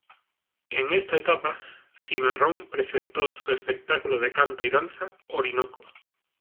En esta etapa, Cimarrón presentó su espectáculo de canto y danza "Orinoco".